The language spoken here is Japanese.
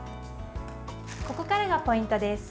ここからがポイントです。